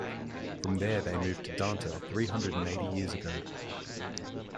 From there they moved to Danta three hundred and eighty years ago.